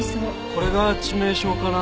これが致命傷かな？